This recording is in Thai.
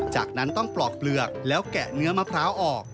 จากนั้นต้องปลอกเปลือกแล้วแกะเนื้อมะพร้าวออก